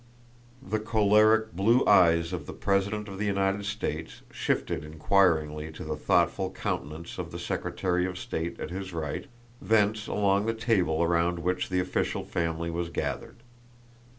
The choleric blue eyes of the president of the United States shifted inquiringly to the thoughtful countenance of the secretary of state at his right, thence along the table around which the official family was gathered.